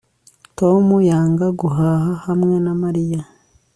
Tom yanga guhaha hamwe na Mariya